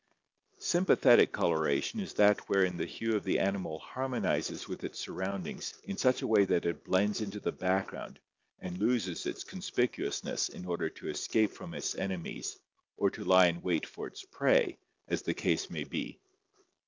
Sympathetic coloration is that wherein the hue of the animal harmonizes with its surroundings in such a way that it blends into the background and loses its conspicuousness in order to escape from its enemies or to lie in wait for its prey, as the case may be.